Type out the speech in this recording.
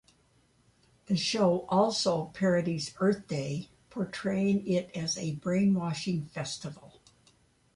The show also parodies Earth Day, portraying it as a brainwashing festival.